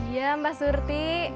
iya mbak surti